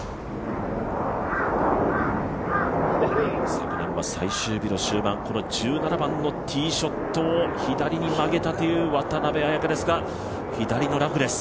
昨年は最終日の終盤１７番のティーショットを左にあげたという渡邉彩香ですが左のラフです。